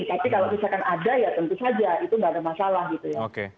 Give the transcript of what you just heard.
tapi kalau misalkan ada ya tentu saja itu nggak ada masalah gitu ya